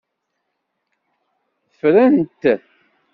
Ffrent.